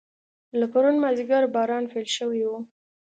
له پرون مازیګر باران پیل شوی و.